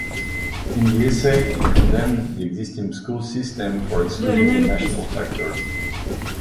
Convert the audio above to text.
In the essay he condemned the existing school system for excluding "the national factor".